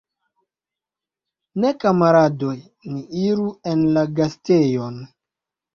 Ne, kamaradoj, ni iru en la gastejon!